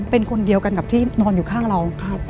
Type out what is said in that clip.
เป็นคนเดียวกันกับที่นอนอยู่ข้างเรา